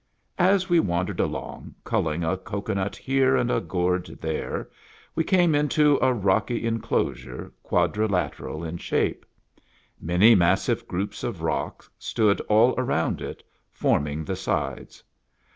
As we wandered along, culling a cocoanut here and a gourd there, we came into a rocky enclosure, quad rilateral in shape. Many massive groups of rock stood all around it, forming the sides.